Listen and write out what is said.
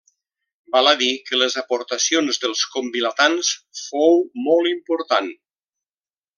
Val a dir que les aportacions dels convilatans fou molt important.